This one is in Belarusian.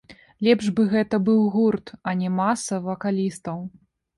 Лепш бы гэта быў гурт, а не маса вакалістаў.